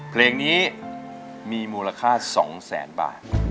เพลงนี้มีมูลค่า๒แสนบาท